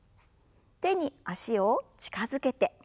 手に脚を近づけて。